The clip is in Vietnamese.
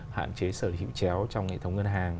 hạn chế sở hữu chéo trong hệ thống ngân hàng